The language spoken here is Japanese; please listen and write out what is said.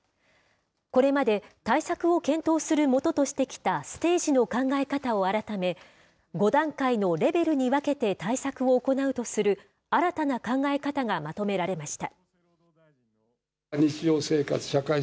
これまで対策を検討するもととしてきたステージの考え方を改め、５段階のレベルに分けて対策を行うとする新たな考え方がまとめられました。